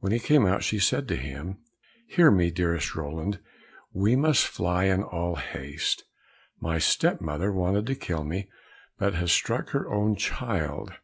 When he came out, she said to him, "Hear me, dearest Roland, we must fly in all haste; my step mother wanted to kill me, but has struck her own child.